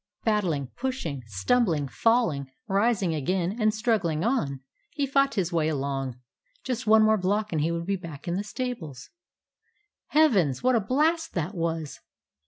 Battling, pushing, stumbling, falling, rising again and struggling on, he fought his way along. Just one block more, and he would be back in the stables. Heavens! What a blast that was!